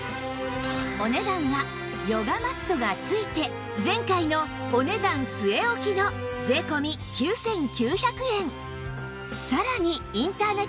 お値段はヨガマットが付いて前回のお値段据え置きの税込９９００円